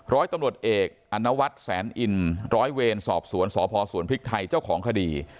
ร้อยตำรวจเอกอนวัฒน์แสนอินร้อยเวรสอบสวนสพสวนพริกไทยเจ้าของคดี